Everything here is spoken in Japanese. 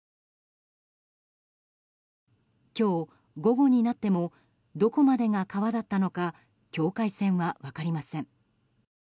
今日午後になってもどこまでが川だったのか境界線は分かりません。